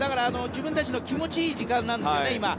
自分たちの気持ちいい時間なんですよね、今。